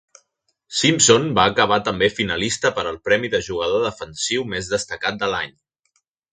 Simpson va acabar també finalista per al premi de jugador defensiu més destacat de l'any.